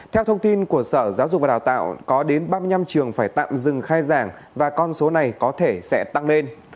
theo thông tin của sở giáo dục và đào tạo có đến ba mươi năm trường phải tạm dừng khai giảng và con số này có thể sẽ tăng lên